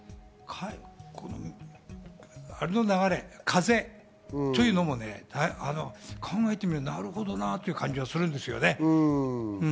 風というのも考えてみると、なるほどなぁっていう感じがするんですよね。